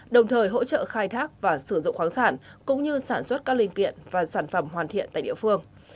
đồng thời hỗ trợ khai thác và sử dụng khoáng sản cũng như sản xuất các linh kiện và sản phẩm hoàn thiện tại địa phương